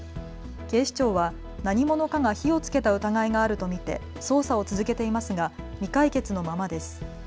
警視庁は何者かが火をつけた疑いがあると見て捜査を続けていますが未解決のままです。